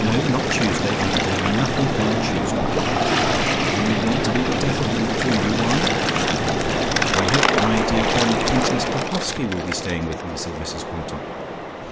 "No, not Tuesday, I am doing nothing on Tuesday. You want to be the death of me between you. Why?" "I hope that my dear friend, Princess Popoffski, will be staying with me" said Mrs Quantock.